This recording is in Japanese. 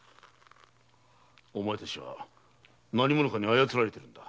お前たちは何者かに操られているんだ。